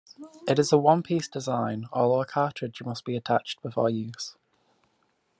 It is a one-piece design, although a cartridge must be attached before use.